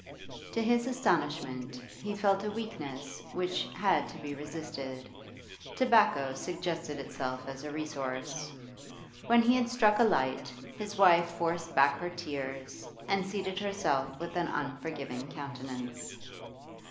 To his astonishment, he felt a weakness which had to be resisted; tobacco suggested itself as a resource. When he had struck a light, his wife forced back her tears and seated herself with an unforgiving countenance.